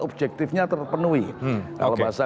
objektifnya terpenuhi kalau bahasa